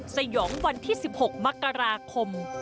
สยองวันที่๑๖มกราคม